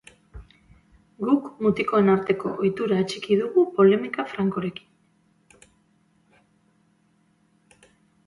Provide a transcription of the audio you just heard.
Guk mutikoen arteko ohitura atxiki dugu polemika frankorekin.